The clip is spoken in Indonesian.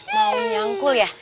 mau nyangkul ya